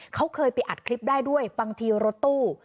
เขาเคยไปอัดคลิปได้ด้วยบางทีรถตู้